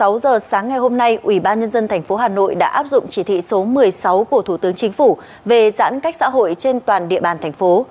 vào sáng ngày hôm nay ubnd tp hà nội đã áp dụng chỉ thị số một mươi sáu của thủ tướng chính phủ về giãn cách xã hội trên toàn địa bàn thành phố